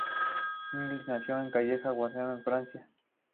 Inglis nació en Cayena, Guayana Francesa.